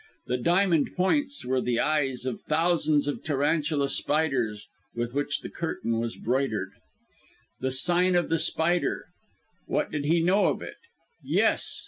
The diamond points were the eyes of thousands of tarantula spiders with which the curtain was broidered. The sign of the spider! What did he know of it? Yes!